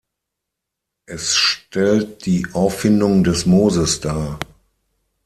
Es stellt "Die Auffindung des Moses" dar.